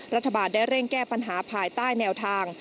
รัฐบาลได้เร่งแก้ปัญหาภายใต้แนวทาง